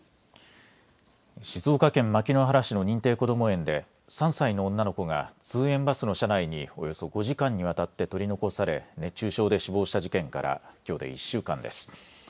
静岡県牧之原市の認定こども園で３歳の女の子が通園バスの車内におよそ５時間にわたって取り残され熱中症で死亡した事件からきょうで１週間です。